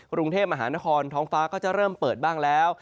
กรุงเทพมหานครท้องฟ้าก็จะเริ่มเปิดบ้างแล้ว